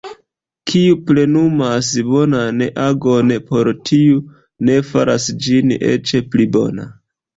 Kiu plenumas bonan agon, por tiu Ni faras ĝin eĉ pli bona.